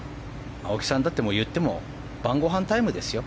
青木さん、言っても晩ごはんタイムですよ。